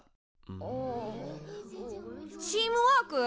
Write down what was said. ああチームワーク？